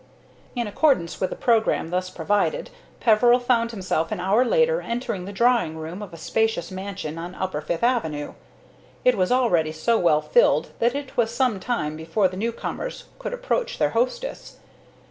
In accordance with the programme thus provided, Peveril found himself an hour later entering the drawing room of a spacious mansion on upper Fifth Avenue. It was already so well filled that it was some time before the new comers could approach their hostess.